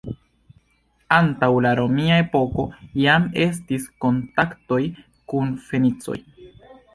Antaŭ la romia epoko jam estis kontaktoj kun fenicoj.